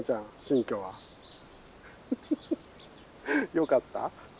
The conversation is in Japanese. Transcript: よかった？